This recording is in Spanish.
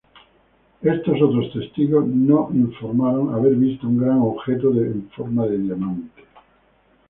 Estos otros testigos "no" informaron haber visto un gran objeto de forma de diamante.